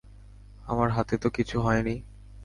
আমার হাতে তো কিছু হয়নি।